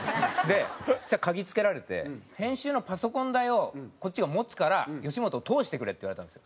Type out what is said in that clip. そしたら嗅ぎつけられて「編集のパソコン代をこっちが持つから吉本を通してくれ」って言われたんですよ。